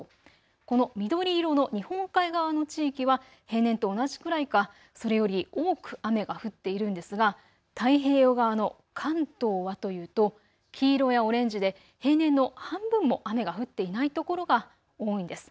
この緑色の日本海側の地域は平年と同じくらいかそれより多く雨が降っているんですが太平洋側の関東はというと黄色やオレンジで平年の半分も雨が降っていないところが多いんです。